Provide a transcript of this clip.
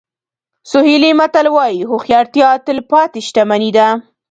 سوهیلي متل وایي هوښیارتیا تلپاتې شتمني ده.